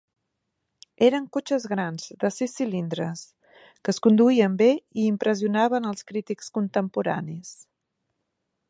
Eren cotxes grans de sis cilindres que es conduïen bé i impressionaven als crítics contemporanis.